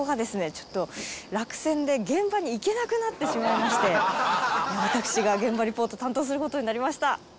ちょっと落選で現場に行けなくなってしまいまして私が現場リポート担当することになりました